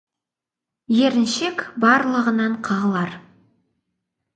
Еріншек барлығынан қағылар.